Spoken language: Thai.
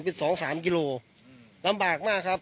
เป็นสองสามกิโลลำบากมากครับ